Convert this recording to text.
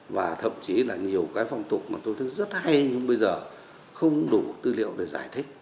và thậm chí là nhiều cái phong tục mà tôi thấy rất hay nhưng bây giờ không đủ tư liệu để giải thích